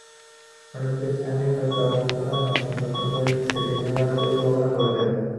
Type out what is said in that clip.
শুনেছি, স্থানীয় সরকার মন্ত্রণালয়ের মাধ্যমে নতুন করে জেটি নির্মাণের পরিকল্পনা চলছে।